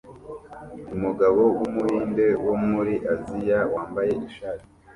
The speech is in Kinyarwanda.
Umugabo wumuhinde wo muri Aziya wambaye ishati